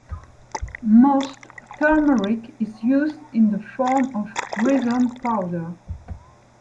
Most turmeric is used in the form of rhizome powder.